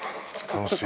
楽しい。